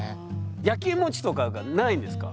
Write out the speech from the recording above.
やきもちとかがないんですか？